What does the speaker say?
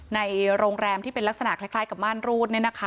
ในโรงแรมที่เป็นลักษณะคล้ายกับม่านรูด